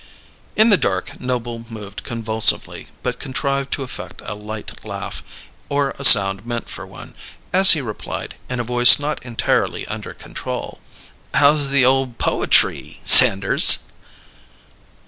In the dark Noble moved convulsively, but contrived to affect a light laugh, or a sound meant for one, as he replied, in a voice not entirely under control: "How's the ole poetry, Sanders?"